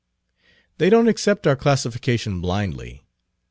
"They don't accept our classification blindly.